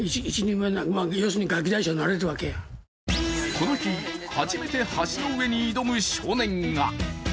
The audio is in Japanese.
この日、初めて橋の上に挑む少年が。